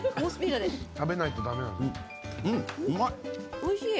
おいしい！